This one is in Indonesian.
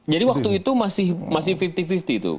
jadi waktu itu masih lima puluh lima puluh tuh